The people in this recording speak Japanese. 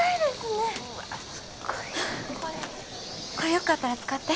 これよかったら使って